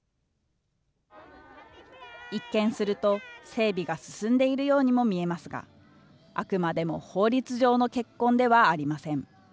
一見すると、整備が進んでいるようにも見えますが、あくまでも法律上の結婚ではありません。